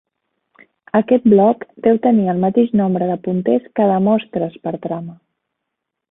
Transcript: Aquest bloc deu tenir el mateix nombre de punters que de mostres per trama.